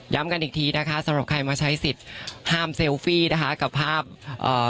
กันอีกทีนะคะสำหรับใครมาใช้สิทธิ์ห้ามเซลฟี่นะคะกับภาพเอ่อ